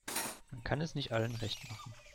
Man kann es nicht allen recht machen.